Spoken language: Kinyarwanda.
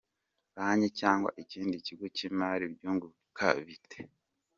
Banki cyangwa ikindi kigo cy’imari byunguka bite?.